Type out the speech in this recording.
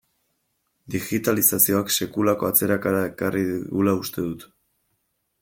Digitalizazioak sekulako atzerakada ekarri digula uste dut.